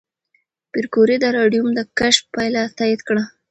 پېیر کوري د راډیوم د کشف پایله تایید کړه.